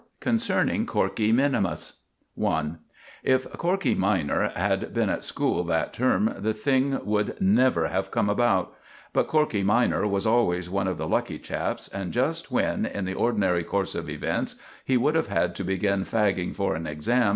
Concerning Corkey Minimus I If Corkey minor had been at school that term the thing would never have come about; but Corkey minor was always one of the lucky chaps, and just when, in the ordinary course of events, he would have had to begin fagging for an exam.